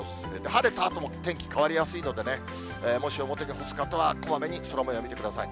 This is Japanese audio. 晴れたあとも天気変わりやすいのでね、もし表に干す方は、こまめに空もよう見てください。